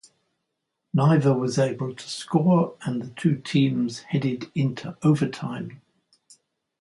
Neither was able to score and the two teams headed into overtime.